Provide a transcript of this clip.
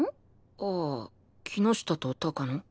ああ木下と高野。